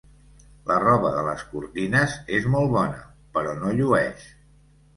La roba de les cortines és molt bona, però no llueix.